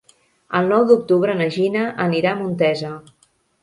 El nou d'octubre na Gina anirà a Montesa.